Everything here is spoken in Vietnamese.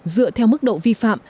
dựa theo mức độ vi phạm